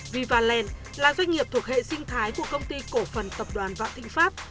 vivaland là doanh nghiệp thuộc hệ sinh thái của công ty cổ phần tập đoàn vạn thịnh pháp